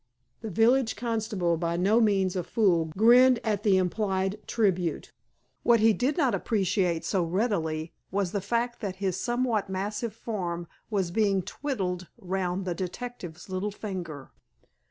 The village constable, by no means a fool, grinned at the implied tribute. What he did not appreciate so readily was the fact that his somewhat massive form was being twiddled round the detective's little finger.